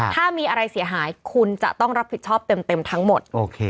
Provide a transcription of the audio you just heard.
ถ้ามีอะไรเสียหายคุณจะต้องรับผิดชอบเต็มทั้งหมด